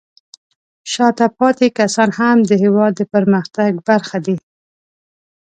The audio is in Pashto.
شاته پاتې کسان هم د هېواد د پرمختګ برخه دي.